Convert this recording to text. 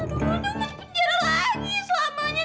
aduh udah mau ke penjara lagi selamanya